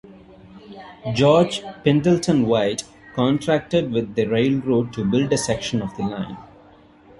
George Pendleton White contracted with the railroad to build a section of the line.